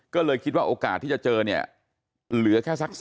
ก็เลยคิดว่าโอกาสที่จะเจอ